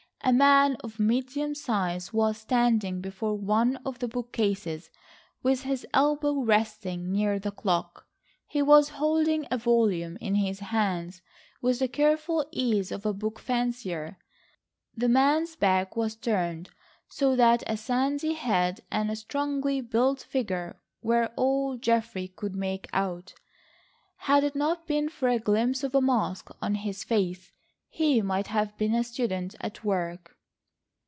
A man of medium size was standing before one of the bookcases with his elbow resting near the clock; he was holding a volume in his hands with the careful ease of a book fancier. The man's back was turned so that a sandy head and a strongly built figure were all Geoffrey could make out. Had it not been for a glimpse of a mask on his face, he might have been a student at work.